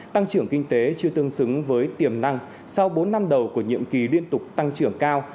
tăng trưởng kinh tế chưa tương xứng với tiềm năng sau bốn năm đầu của nhiệm kỳ liên tục tăng trưởng cao